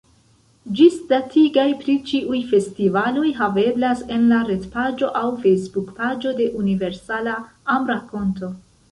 Ĝisdatigoj pri ĉiuj festivaloj haveblas en la retpaĝo aŭ Facebook-paĝo de Universala Amrakonto.